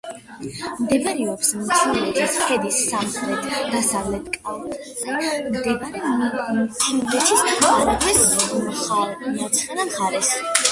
მდებარეობს მთიულეთის ქედის სამხრეთ-დასავლეთ კალთზე, მდინარე მთიულეთის არაგვის მარცხენა მხარეს.